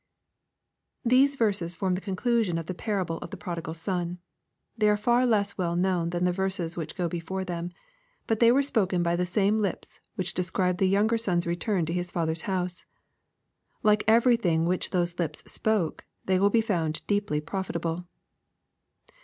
These verses form the conclusion of the parable of the prodigal son. They are far less well known than the verses which go before them. But they were spoken by the same lips which described the younger son's return to his father's house. Like everything which those lips spoke, they will be found deeply profitable.